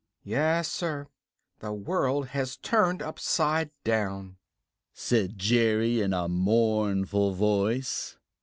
"Yes, Sir, the world has turned upside down," said Jerry in a mournful voice.